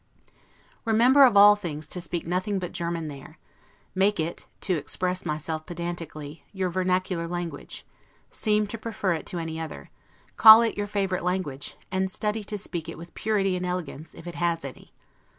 Remember of all things to speak nothing but German there; make it (to express myself pedantically) your vernacular language; seem to prefer it to any other; call it your favorite language, and study to speak it with purity and elegance, if it has any.